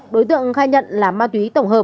đối tượng khai nhận là ma túy tổng hợp